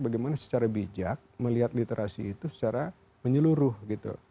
bagaimana secara bijak melihat literasi itu secara menyeluruh gitu